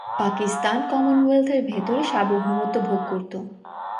পাকিস্তান কমনওয়েলথের ভেতরে সার্বভৌমত্ব ভোগ করত।